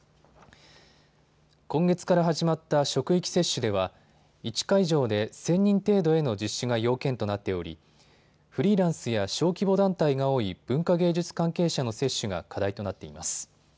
今月から始まった職域接種では１会場で数人程度への実施が要件となっておりフリーランスや小規模団体が多い文化芸術関係者の接種が課題となっています。